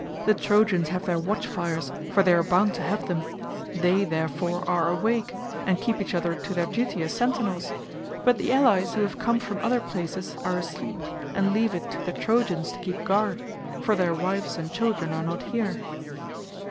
The Trojans have their watchfires, for they are bound to have them; they, therefore, are awake and keep each other to their duty as sentinels; but the allies who have come from other places are asleep and leave it to the Trojans to keep guard, for their wives and children are not here."